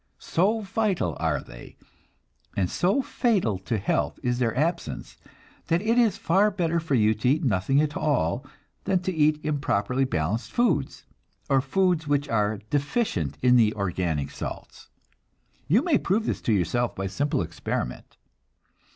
So vital are they, and so fatal to health is their absence, that it is far better for you to eat nothing at all than to eat improperly balanced foods, or foods which are deficient in the organic salts. You may prove this to yourself by a simple experiment.